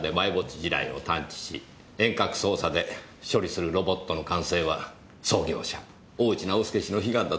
地雷を探知し遠隔操作で処理するロボットの完成は創業者大内直輔氏の悲願だったそうですね。